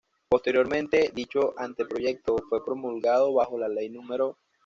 Posteriormente dicho anteproyecto fue promulgado bajo la Ley No.